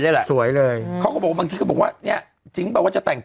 นี่แหละสวยเลยเขาก็บอกว่าบางทีก็บอกว่าเนี่ยจริงเปล่าว่าจะแต่ง